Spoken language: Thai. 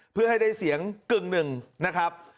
เพื่อให้ได้เสียงกึ่งหนึ่งนะครับ